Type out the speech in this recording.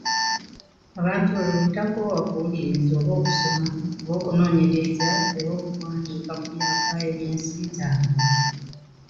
Abantu bwe butakoowa kuwuliriza, oba okusoma, oba okunoonyereza era n'okuwandiika ku byafaayo by'ensi zaabwe.